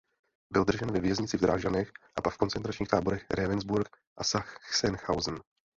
Byl držen ve věznici v Drážďanech a pak v koncentračních táborech Ravensbrück a Sachsenhausen.